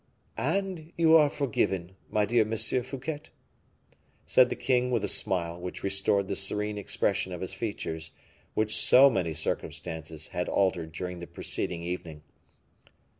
"And you are forgiven, my dear Monsieur Fouquet," said the king, with a smile, which restored the serene expression of his features, which so many circumstances had altered since the preceding evening.